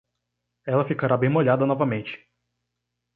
Ela ficará bem molhada novamente.